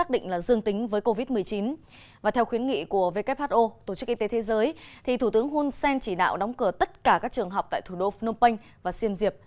để không chế dịch covid một mươi chín